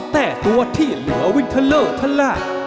แต่ตัวที่เหลือวินทะเล่อทะละ